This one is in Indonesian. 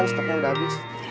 banyak yang gue habis